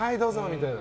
みたいな。